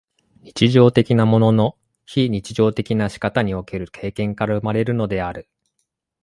日常的なものの非日常的な仕方における経験から生まれるのである。